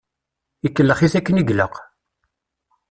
Ikellex-it akken i ilaq.